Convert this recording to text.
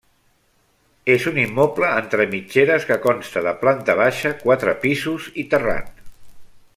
És un immoble entre mitgeres que consta de planta baixa, quatre pisos i terrat.